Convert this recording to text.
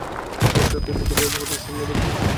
শেষরাতের দিকে ভয়াবহ দুঃস্বপ্ন দেখলেন।